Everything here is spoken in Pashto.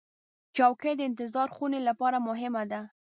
چوکۍ د انتظار خونې لپاره مهمه ده.